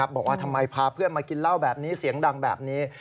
บอกว่าทำไมพาเพื่อนมากินเหล้าแบบนี้เสียงดังแบบนี้